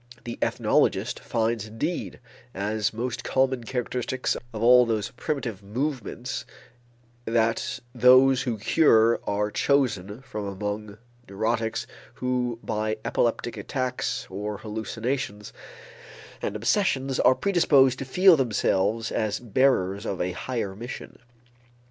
The ethnologist finds indeed as most common characteristics of all those primitive movements that those who cure are chosen from among neurotics who by epileptic attacks or hallucinations and obsessions are predisposed to feel themselves as bearers of a higher mission.